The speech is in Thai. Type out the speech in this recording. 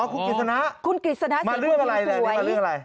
อ๋อคุณกิศนะมาเรื่องอะไรนี่มาเรื่องอะไร